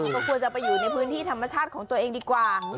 ก็ควรจะไปอยู่ในพื้นที่ธรรมชาติของตัวเองดีกว่า